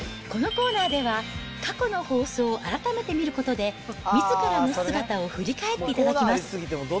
このコーナーでは、過去の放送を改めて見ることで、みずからの姿を振り返っていただきます。